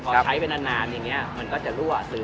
พอใช้ไปนานอย่างนี้มันก็จะรั่วซื้อ